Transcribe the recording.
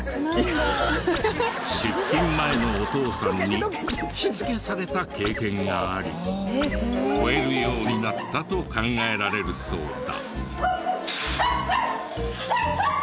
出勤前のお父さんにしつけされた経験があり吠えるようになったと考えられるそうだ。